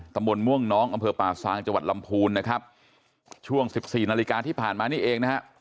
มนต์ม่วงน้องอำเภอป่าซางจังหวัดลำพูนนะครับช่วงสิบสี่นาฬิกาที่ผ่านมานี่เองนะฮะ